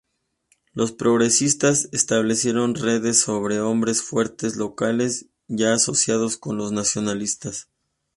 Los Progresistas establecieron redes sobre hombres fuertes locales ya asociados con los nacionalistas.